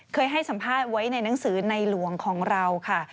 เคยให้สัมภาษณ์ไว้ในหนังสือในหลวงของเราค่ะ